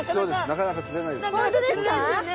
なかなか釣れないですよね。